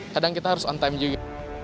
kadang kita harus on time juga